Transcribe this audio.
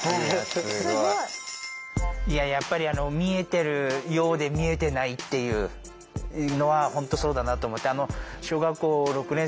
すごい。いややっぱり見えてるようで見えてないっていうのは本当そうだなと思って。